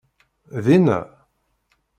Din-a?